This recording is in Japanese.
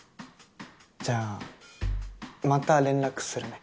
じゃあまた連絡するね。